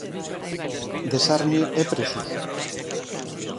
Desarme e presos?